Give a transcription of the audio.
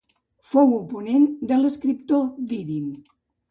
Fou oponent de l'escriptor Dídim.